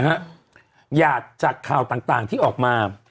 หยาดจากข่าวต่างที่ออกมา